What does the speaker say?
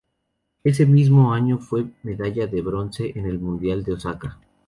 Ese mismo año fue medalla de bronce en el Mundial de Osaka.